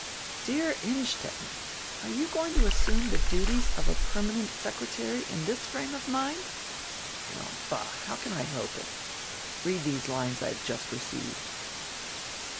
"Dear Innstetten, are you going to assume die duties of a permanent secretary in this frame of mind?" "Oh, ball! How can I help it? Read these lines I have just received."